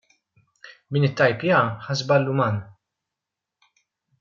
Min ittajpjaha ħa żball uman.